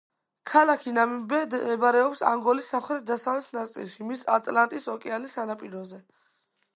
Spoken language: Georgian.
ქალაქი ნამიბე მდებარეობს ანგოლის სამხრეთ-დასავლეთ ნაწილში, მის ატლანტის ოკეანის სანაპიროზე.